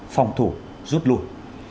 phòng thủ rút lùi